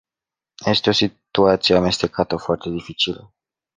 Este o situație amestecată foarte dificilă.